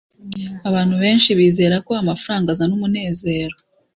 abantu benshi bizera ko amafaranga azana umunezero